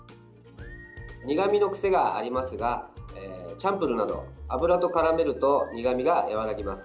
苦みの癖がありますがチャンプルーなど油とからめると苦みが和らぎます。